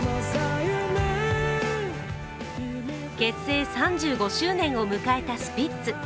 結成３５周年を迎えたスピッツ。